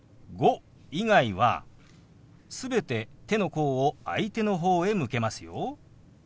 「５」以外は全て手の甲を相手の方へ向けますよ。